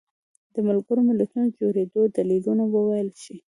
د ملګرو ملتونو د جوړېدو دلیلونه وویلی شي.